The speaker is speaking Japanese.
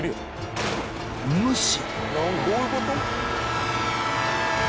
［無視！］